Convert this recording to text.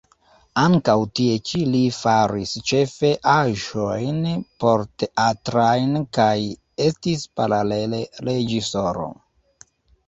Ankaŭ tie ĉi li faris ĉefe aĵojn porteatrajn kaj estis paralele reĝisoro.